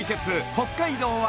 北海道は！